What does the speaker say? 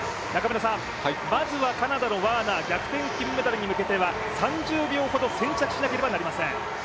まずはカナダのワーナー、逆転金メダルに向けては３０秒ほど先着しなくてはなりません。